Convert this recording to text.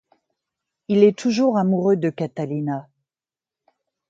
Il est toujours amoureux de Catalina.